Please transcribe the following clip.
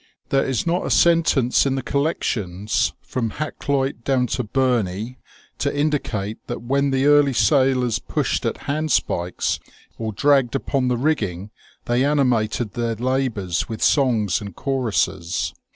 There is not a sen tence in the collections from Hakluyt down to Burney to indicate that when the early sailors pushed at hand spikes or dragged upon the rigging they animated their labours with songs and choruses.